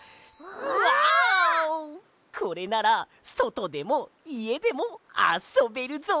これならそとでもいえでもあそべるぞ！